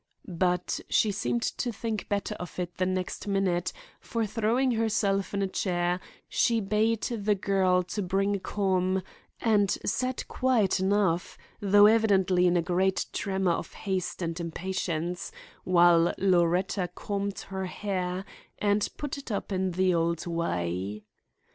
But she seemed to think better of it the next minute; for, throwing herself in a chair, she bade the girl to bring a comb, and sat quiet enough, though evidently in a great tremor of haste and impatience, while Loretta combed her hair and put it up in the old way.